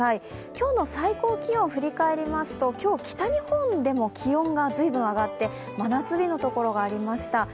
今日の最高気温振り返りますと今日、今日、北日本でも気温が随分上がって真夏日の所がありました。